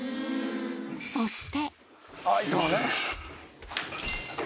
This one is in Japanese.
そして。